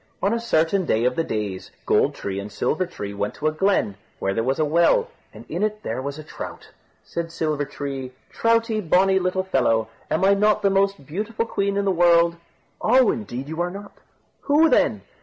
On a certain day of the days, Gold tree and Silver tree went to a glen, where there was a well, and in it there was a trout. Said Silver tree, "Troutie, bonny little fellow, am not I the most beautiful queen in the world?" "Oh! indeed you are not." "Who then?"